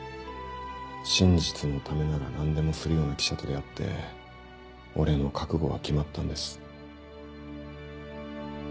真実のためなら何でもするような記者と出会って俺の覚悟は決まったんです。